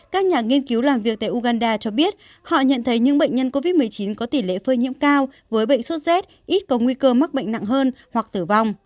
các nhà nghiên cứu làm việc tại uganda cho biết họ nhận thấy những bệnh nhân covid một mươi chín có tỷ lệ phơi nhiễm cao với bệnh sốt rét ít có nguy cơ mắc bệnh nặng hơn hoặc tử vong